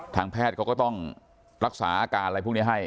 ทางแพทย์เขาก็ต้องรักษาอาการอะไรพวกนี้ให้